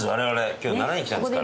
今日習いに来たんですから。